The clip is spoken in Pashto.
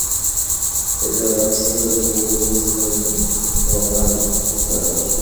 د واکسین د لګولو وروسته ناروغان څارل کېږي.